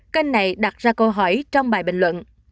kênh này đặt ra câu hỏi trong bài bình luận